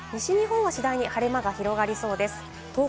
西日本は次第に晴れ間が広がりそうです。